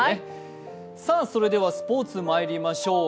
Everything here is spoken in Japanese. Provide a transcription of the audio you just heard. それではスポーツまいりましょう。